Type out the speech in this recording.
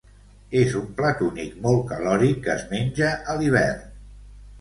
És un plat únic molt calòric que es menja a l'hivern.